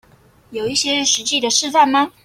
有一些實際的示範嗎